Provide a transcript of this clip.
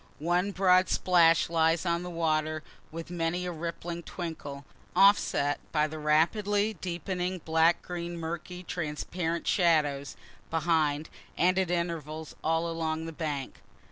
One broad splash lies on the water, with many a rippling twinkle, offset by the rapidly deepening black green murky transparent shadows behind, and at intervals all along the banks.